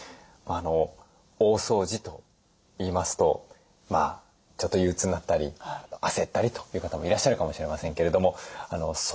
大掃除といいますとちょっと憂うつになったり焦ったりという方もいらっしゃるかもしれませんけれども掃除でですね